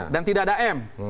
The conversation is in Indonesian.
dan tidak ada m